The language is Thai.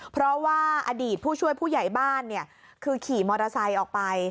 เพราะว่าอดีตผู้ช่วยผู้ใหญ่บ้านคือขี่มอเตอร์ไซค์ออกไป